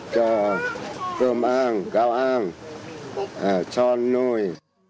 cho cơm ăn gạo ăn cho nuôi